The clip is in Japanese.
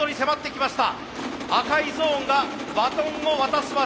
きました！